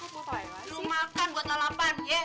lu makan buat lalapan ye